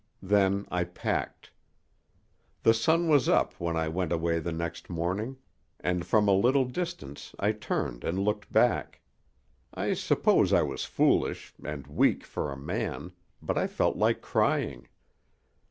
Then I packed. The sun was up when I went away the next morning, and from a little distance I turned and looked back. I suppose I was foolish, and weak for a man, but I felt like crying.